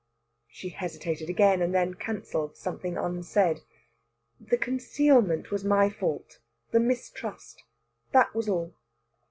She hesitated again, and then cancelled something unsaid. "The concealment was my fault the mistrust. That was all.